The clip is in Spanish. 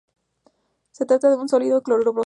Se trata de un sólido incoloro volátil.